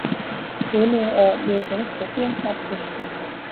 维涅厄勒人口变化图示